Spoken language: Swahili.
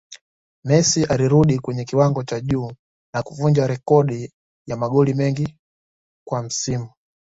Messi alirudi kwenye kiwango cha juu na kuvunja rekodi ya magoli mengi kwa msimu